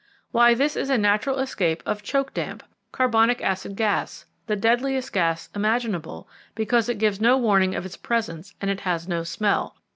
"Why, this is a natural escape of choke damp. Carbonic acid gas the deadliest gas imaginable, because it gives no warning of its presence, and it has no smell.